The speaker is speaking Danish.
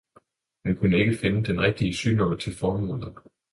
Hun kunne ikke finde den rigtige synål til formålet.